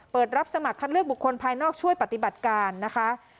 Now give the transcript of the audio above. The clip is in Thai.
รับสมัครคัดเลือกบุคคลภายนอกช่วยปฏิบัติการนะคะ